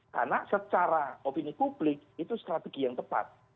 karena secara opini publik itu strategi yang tepat